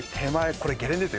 これゲレンデです